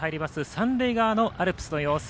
三塁側のアルプスの様子